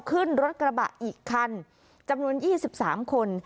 ขึ้นรถกระบะอีกคันจำนวนยี่สิบสามคน